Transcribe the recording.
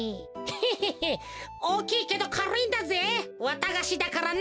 へへへおおきいけどかるいんだぜわたがしだからな。